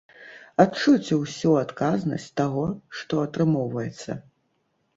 Адчуйце ўсё адказнасць таго, што атрымоўваецца!